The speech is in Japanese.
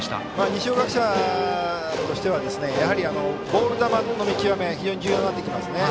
二松学舎としてはやはりボール球の見極めが非常に重要になってきますね。